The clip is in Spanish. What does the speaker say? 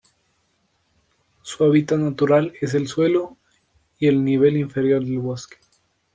Su hábitat natural es el suelo y el nivel inferior del bosque.